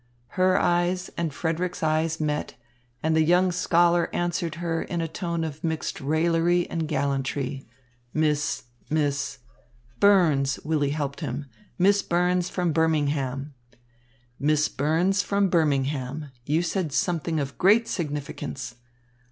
Her eyes and Frederick's eyes met, and the young scholar answered her in a tone of mixed raillery and gallantry: "Miss Miss " "Burns," Willy helped him, "Miss Burns from Birmingham." "Miss Burns from Birmingham, you said something of great significance.